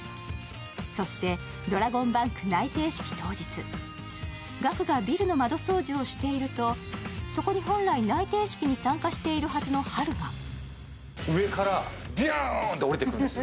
そしてドラゴンバンク内定式当日、ガクがビルの窓掃除をしているとそこに本来内定式に参加しているはずのハルが。